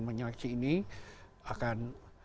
menyeleksi ini akan